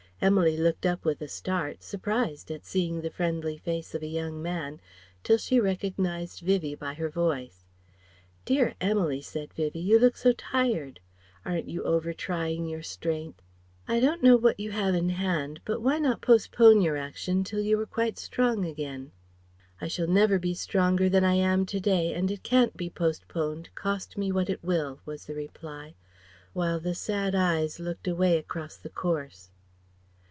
Emily looked up with a start, surprised at seeing the friendly face of a young man, till she recognized Vivie by her voice. "Dear Emily," said Vivie, "you look so tired. Aren't you over trying your strength? I don't know what you have in hand, but why not postpone your action till you are quite strong again?" "I shall never be stronger than I am to day and it can't be postponed, cost me what it will," was the reply, while the sad eyes looked away across the course.